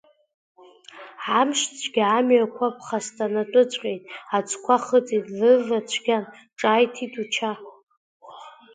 Амшцәгьа амҩақәа ԥхасҭанатәыҵәҟьеит, аӡқәа хыҵит, рырра цәгьаны, ҿааиҭит уча.